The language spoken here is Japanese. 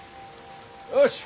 よし。